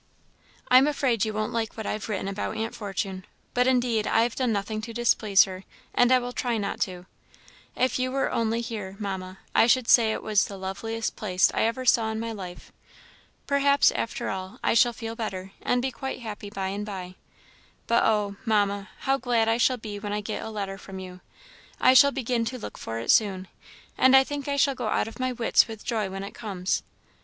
I am afraid you won't like what I have written about Aunt Fortune; but indeed I have done nothing to displease her, and I will try not to. If you were only here, Mamma, I should say it was the loveliest place I ever saw in my life. Perhaps, after all, I shall feel better, and be quite happy by and by; but oh! Mamma, how glad I shall be when I get a letter from you! I shall begin to look for it soon, and I think I shall go out of my wits with joy when it comes.